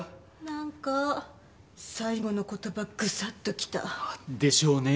なんか最後の言葉グサッときた。でしょうね。